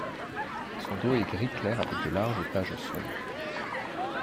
Son dos est gris clair avec de larges taches sombres.